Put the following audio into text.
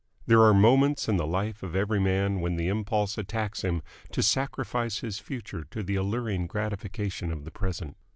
There are moments in the life of every man when the impulse attacks him to sacrifice his future to the alluring gratification of the present.